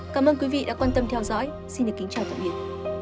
cảm ơn quý vị đã quan tâm theo dõi xin kính chào tạm biệt